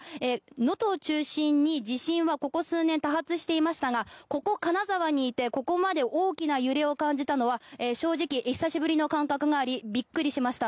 能登を中心に地震はここ数年、多発していましたがここ、金沢にいてここまで大きな揺れを感じたのは正直、久しぶりの感覚がありびっくりしました。